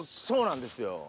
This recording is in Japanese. そうなんですよ。